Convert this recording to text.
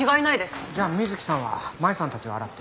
じゃあ水木さんは麻衣さんたちを洗って。